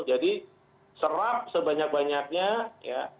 jadi serap sebanyak banyaknya ya